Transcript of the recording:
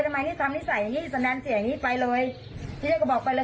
ทำไมนี่ทำนิสัยอย่างงี้สแนนเสียอย่างงี้ไปเลยทีแรกก็บอกไปเลย